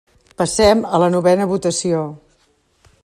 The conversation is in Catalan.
Passem a la novena votació.